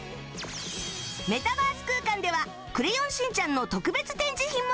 メタバース空間では『クレヨンしんちゃん』の特別展示品もあるよ